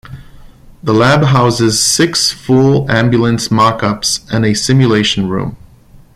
The lab houses six full ambulance mockups and a simulation room.